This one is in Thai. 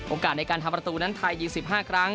โอกาสในการทำประตูนั้นไทยยิงสิบห้าครั้ง